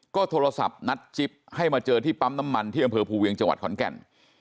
ก็โทรศัพท์นัดจิ๊บให้มาเจอที่ปั๊มน้ำมันที่อำเภอภูเวียงจังหวัดขอนแก่น